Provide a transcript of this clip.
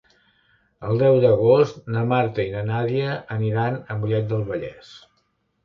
El deu d'agost na Marta i na Nàdia aniran a Mollet del Vallès.